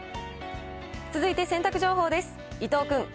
続いて洗濯情報です。